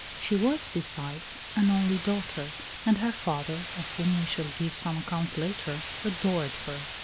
She was, besides, an only daughter, and her father, of whom we shall give some account later, adored her.